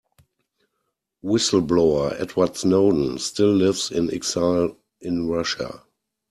Whistle-blower Edward Snowden still lives in exile in Russia.